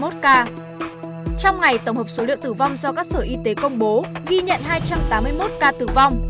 trong ngày tổng hợp số liệu tử vong do các sở y tế công bố ghi nhận hai trăm tám mươi một ca tử vong